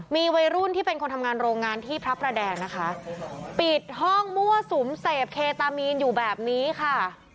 มีวัยรุ่นที่เป็นคนทำงานโรงงานที่พระประแดงนะคะปิดห้องมั่วสุมเสพเคตามีนอยู่แบบนี้ค่ะ